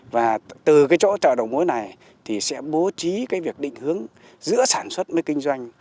và từ cái chỗ chợ đầu mối này thì sẽ bố trí cái việc định hướng giữa sản xuất với kinh doanh